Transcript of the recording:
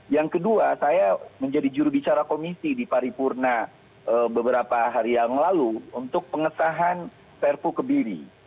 yang kedua saya menjadi jurubicara komisi di paripurna beberapa hari yang lalu untuk pengesahan perpu kebiri